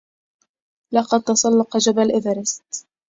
لقد تسلق جبل ايفرست.